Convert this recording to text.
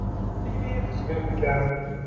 Ayen i yi-ḥejben fell-am.